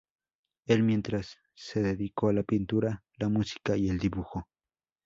Él mientras se dedicó a la pintura, la música y el dibujo.